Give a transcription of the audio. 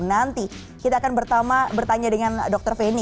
nanti kita akan bertanya dengan dr feni